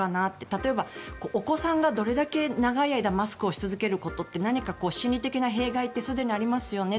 例えばお子さんがどれだけ長い間マスクをし続けることって何か心理的な弊害ってすでにありますよね。